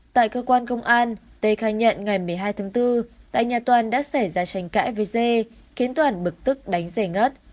tại cơ quan công an tê khai nhận ngày một mươi hai tháng bốn tại nhà toàn đã xảy ra tranh cãi với dê khiến toàn bực tức đánh dề ngất